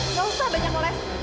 nggak usah banyak noles